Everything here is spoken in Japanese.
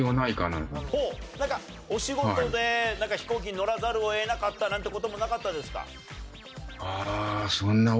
なんかお仕事で飛行機に乗らざるを得なかったなんて事もなかったですか。